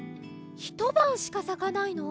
ひとばんしかさかないの？